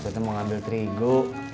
maksudnya mau ngambil terigu